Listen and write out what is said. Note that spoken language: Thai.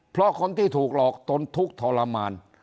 เพราะคนที่ถูกหลอกตนทุกข์ทรมาน